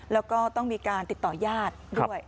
แล้วก็ต้องมีการติดต่อญาติด้วย